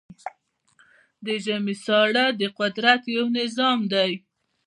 د ژمی ساړه د قدرت یو نظام دی.